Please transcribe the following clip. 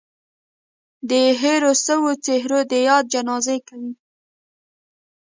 د هېرو سوو څهرو د ياد جنازې کوي